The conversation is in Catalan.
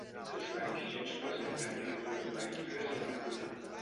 Els branquillons presenten glàndules oleíferes a la medul·la.